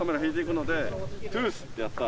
「トゥス！」ってやった。